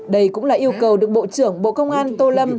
đây cũng là yêu cầu được bộ trưởng bộ công an tô lâm